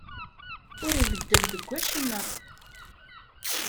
Ur ibeddel deg wacemma.